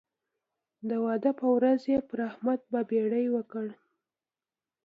د واده پر ورځ یې پر احمد بابېړۍ وکړ.